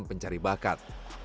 tim pencari bakat